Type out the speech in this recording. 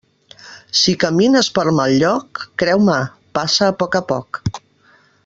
Si camines per mal lloc, creu-me, passa a poc a poc.